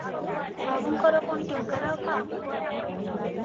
ବାବୁଙ୍କର ପୁଣି ଟଙ୍କାର ଅଭାବ?